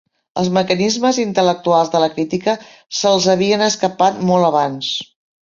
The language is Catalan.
Els mecanismes intel·lectuals de la crítica se'ls havien escapat molt abans.